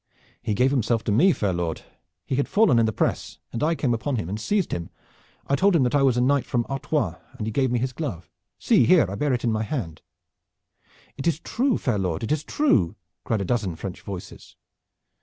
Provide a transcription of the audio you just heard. "He gave himself to me, fair lord. He had fallen in the press, and I came upon him and seized him. I told him that I was a knight from Artois, and he gave me his glove. See here, I bear it in my hand." "It is true, fair lord! It is true!" cried a dozen French voices.